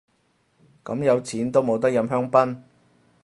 咁有錢都冇得飲香檳